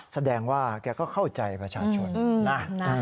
แสดงว่าแกก็เข้าใจประชาชนนะ